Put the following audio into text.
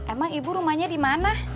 emang ibu rumahnya dimana